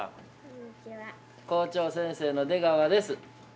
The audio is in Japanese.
校長先生の出川です。